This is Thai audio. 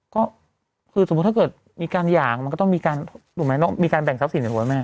ก็คือสมมุติถ้าเกิดมีการหย่างมันก็ต้องมีการถูกไหมต้องมีการแบ่งทรัพย์สินถูกไหมแม่